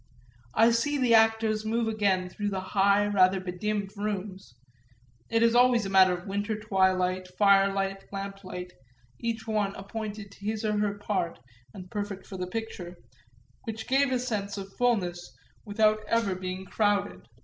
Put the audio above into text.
I see the actors move again through the high, rather bedimmed rooms it is always a matter of winter twilight, firelight, lamplight; each one appointed to his or her part and perfect for the picture, which gave a sense of fulness without ever being crowded.